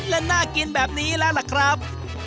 และน่ากินแบบนี้แล้วล่ะครับ